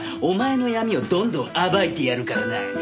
お前の闇をどんどん暴いてやるからな。